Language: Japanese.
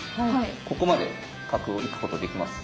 ここまで角行くことできます。